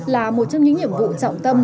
là một trong những nhiệm vụ trọng tâm